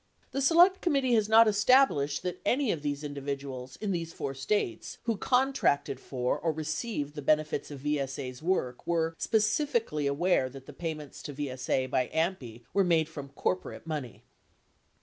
The Select Committee has not established that any of the individuals in these four States who contracted for or received the benefits of VSA's work were specifically aware that the payments to VSA by AMPI were made from corporate money.